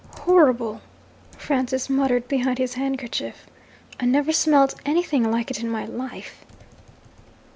'Horrible!' Francis muttered behind his handkerchief. 'I never smelt anything like it in my life!'